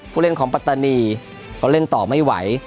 ผู้เล่นของปัตตานีเขาเล่นต่อไม่ไหว